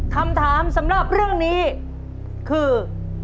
คำถามสำหรับเรื่องนี้คือ